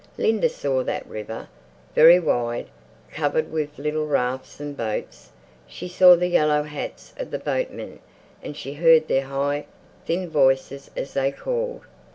Linda saw that river, very wide, covered with little rafts and boats. She saw the yellow hats of the boatmen and she heard their high, thin voices as they called....